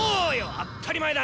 あったり前だ！